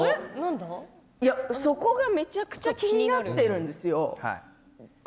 そこがめちゃくちゃ気になっているんですよ。